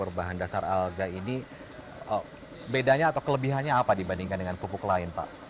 berbahan dasar alga ini bedanya atau kelebihannya apa dibandingkan dengan pupuk lain pak